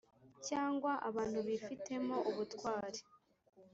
cyangwa abantu bifitemo ubutwari